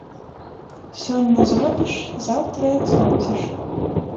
Сёння зробіш – заўтра як знойдзеш